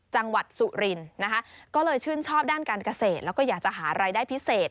จังหวัดสุรินทร์นะคะก็เลยชื่นชอบด้านการเกษตรแล้วก็อยากจะหารายได้พิเศษ